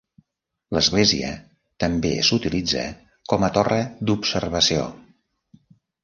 L'església també s'utilitza com a torre d'observació.